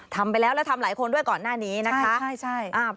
ทำไปแล้วแล้วทำหลายคนด้วยก่อนหน้านี้นะคะ